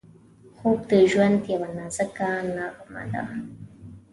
خوب د ژوند یوه نازکه نغمه ده